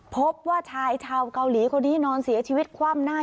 พบว่าชายชาวเกาหลีคนนี้นอนเสียชีวิตคว่ำหน้า